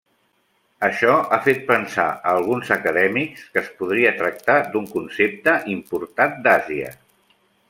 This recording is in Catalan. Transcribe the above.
Això ha fet pensar a alguns acadèmics que es podria tractar d'un concepte importat d'Àsia.